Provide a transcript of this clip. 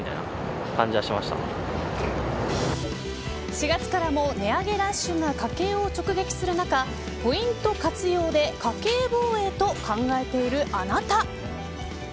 ４月からも値上げラッシュが家計を直撃する中ポイント活用で家計防衛と考えているあなた。